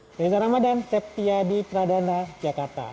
saya rizal ramadan septya di pradana jakarta